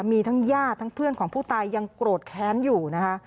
มีทั้งญาติทั้งเพื่อนของผู้ตายยังโกรธแค้นอยู่นะคะ